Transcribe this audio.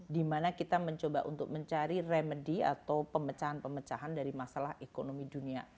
dimana kita mencoba untuk mencari remedy atau pemecahan pemecahan dari masalah ekonomi dunia